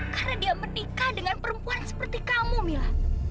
sampai jumpa di video selanjutnya